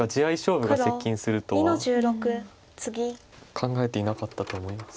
考えていなかったと思います。